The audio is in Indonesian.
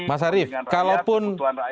mas arief kalau pun